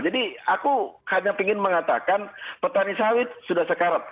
jadi aku hanya ingin mengatakan petani sawit sudah sekarat